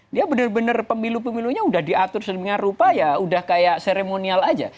dia benar benar pemilu pemilunya sudah diatur semuanya rupa ya sudah kayak seremonial saja